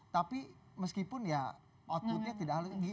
tapi meskipun ya outputnya tidak